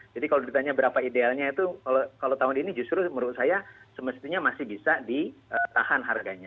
jadi kalau ditanya berapa idealnya itu kalau tahun ini justru menurut saya semestinya masih bisa ditahan harganya